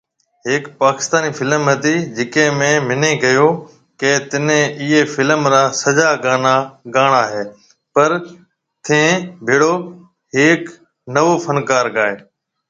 هيڪ پاڪستاني فلم هتي جڪي ۾منهي ڪهيو ڪي تني ايئي فلم را سجا گانا گاڻا هي پر ٿين ڀيڙو هيڪ نوئون فنڪار گاۿي